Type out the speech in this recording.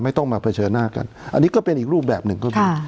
ต้องมาเผชิญหน้ากันอันนี้ก็เป็นอีกรูปแบบหนึ่งก็คือ